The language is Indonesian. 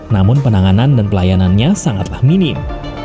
namun penanganan dan pelayanannya sangatlah minim